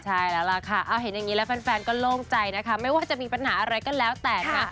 ใช่แล้วล่ะค่ะเอาเห็นอย่างนี้แล้วแฟนก็โล่งใจนะคะไม่ว่าจะมีปัญหาอะไรก็แล้วแต่นะ